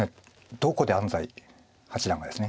どこで安斎八段がですね